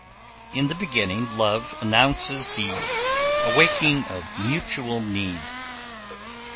In the beginning love announces the awakening of mutual need.